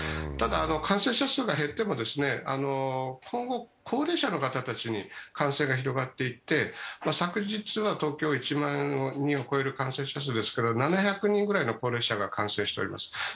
ただ、感染者数が減っても今後、高齢者の方たちに感染が広がっていって昨日は東京は１万人を超える感染者数ですから７００人ぐらいの高齢者が感染しております。